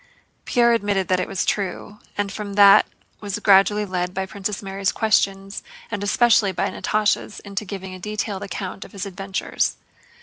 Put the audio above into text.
Pierre admitted that it was true, and from that was gradually led by Princess Mary's questions and especially by Natásha's into giving a detailed account of his adventures.